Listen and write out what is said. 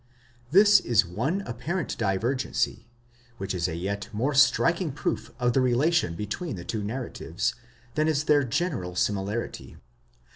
This is one apparent divergency, which is a yet more striking proof of the relation between the two narratives, than is their general similarity.